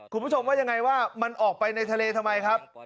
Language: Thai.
คุณผู้ชมว่ายังไงว่ามันออกไปในทะเลทำไมครับ